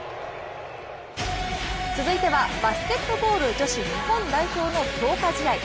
続いてはバスケットボール女子日本代表の強化試合。